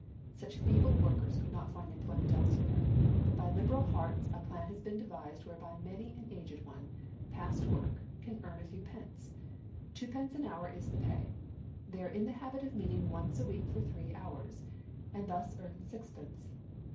Such feeble workers could not find employment elsewhere, but by liberal hearts a plan has been devised whereby many an aged one, past work, can earn a few pence. Twopence an hour is the pay. They are in the habit of meeting once a week for three hours, and thus earn sixpence.